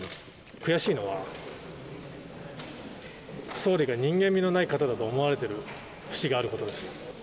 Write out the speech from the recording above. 悔しいのは総理が人間味のない方だと思われてる節があることです。